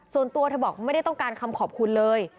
ส่วนตัวเธอบอกไม่ได้ต้องการคำขอบคุณเลย